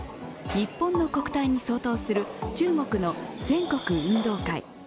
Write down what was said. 日本の国体に相当する中国の全国運動会。